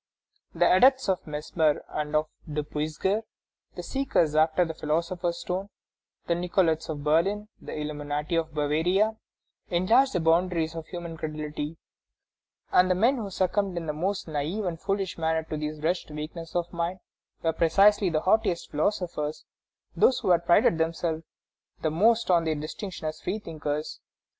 The adepts of Mesmer and of De Puysegur, the seekers after the philosopher's stone, the Nicolaites of Berlin, the illuminati of Bavaria, enlarged the boundaries of human credulity, and the men who succumbed in the most naïve and foolish manner to these wretched weaknesses of mind, were precisely the haughtiest philosophers, those who had prided themselves the most on their distinction as free thinkers.